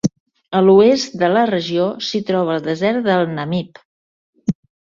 A l'oest de la regió s'hi troba el desert del Namib.